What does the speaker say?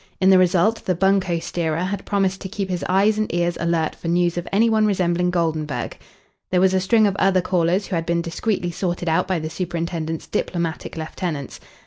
In the result the "bunco steerer" had promised to keep his eyes and ears alert for news of any one resembling Goldenburg. There was a string of other callers who had been discreetly sorted out by the superintendent's diplomatic lieutenants.